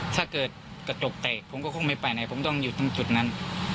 ถ้าเกิดกระจกแตกผมก็คงไม่ไปไหนผมต้องอยู่ตรงจุดนั้น